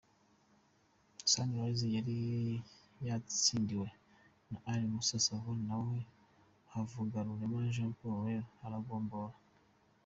Sunrise yari yatsindiwe na Ally Moussa Sauva naho Havugarurema Jean Paul “Laro” aragombora.